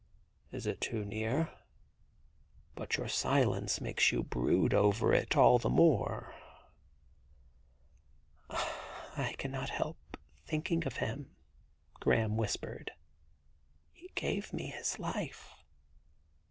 'Is it too near? ... But your silence makes you brood over it all the more.' ' I cannot help thinking of him,' Graham whispered. * He gave me his life.'